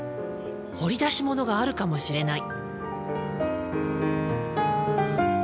掘り出しものがあるかもしれない。